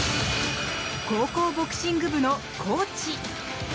高校ボクシング部のコーチ！